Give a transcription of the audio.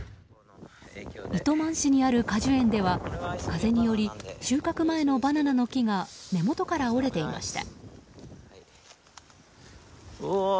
糸満市にある果樹園では風により収穫前のバナナの木が根元から折れていました。